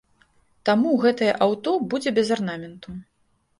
Таму гэтае аўто будзе без арнаменту.